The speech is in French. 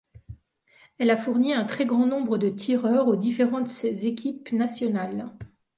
Elle a fourni un très grand nombre de tireurs aux différentes équipes nationales.